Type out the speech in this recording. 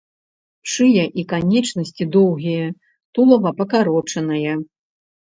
Шыя і канечнасці доўгія, тулава пакарочанае.